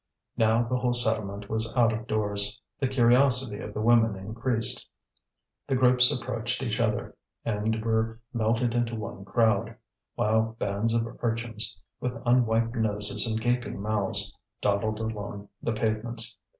Now the whole settlement was out of doors. The curiosity of the women increased. The groups approached each other, and were melted into one crowd; while bands of urchins, with unwiped noses and gaping mouths, dawdled along the pavements.